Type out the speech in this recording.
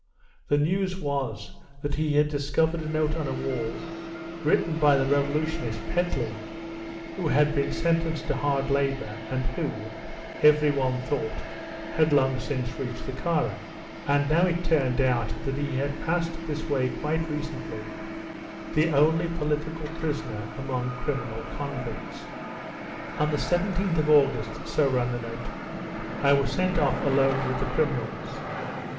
The news was that he had discovered a note on a wall, written by the revolutionist Petlin, who had been sentenced to hard labour, and who, every one thought, had long since reached the Kara; and now it turned out that he had passed this way quite recently, the only political prisoner among criminal convicts. "On the 17th of August," so ran the note, "I was sent off alone with the criminals.